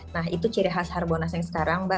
nah itu ciri khas harbonas yang sekarang mbak